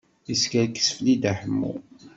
Yeskerkes fell-i Dda Ḥemmu.